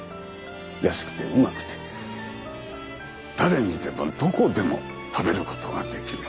安くてうまくて誰にでもどこでも食べる事ができる。